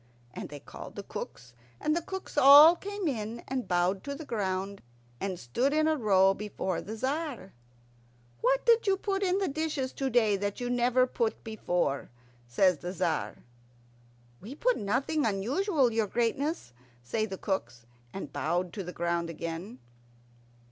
And they called the cooks, and the cooks all came in, and bowed to the ground, and stood in a row before the Tzar. "What did you put in the dishes to day that you never put before?" says the Tzar. "We put nothing unusual, your greatness," say the cooks, and bowed to the ground again.